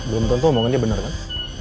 belum tentu omongannya benar kan